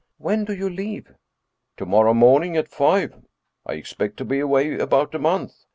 When do you leave?" " To morrow morning at five. I expect to be away about a month.